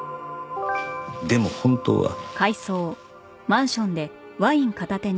でも本当は。